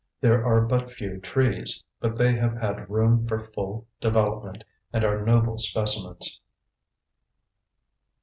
There are but few trees, but they have had room for full development and are noble specimens.